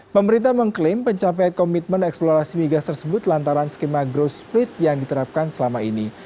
pemerintah mengklaim pencapaian komitmen eksplorasi migas tersebut lantaran skema growth split yang diterapkan selama ini